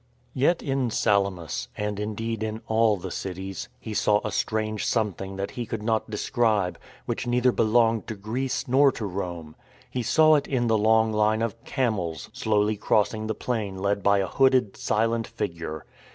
Yet in Salamis — and, indeed, in all the cities — ^he saw a strange something that he could not describe, which neither belonged to Greece nor to Rome. He saw it in the long line of camels slowly crossing the plain led by a hooded, silent figure.